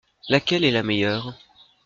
Laquelle est la meilleure ?